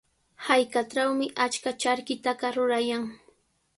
Hallqatrawmi achka charkitaqa rurayan.